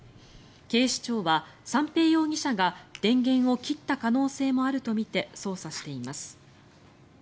警視庁は三瓶容疑者が電源を切った可能性もあるとみて捜査しています。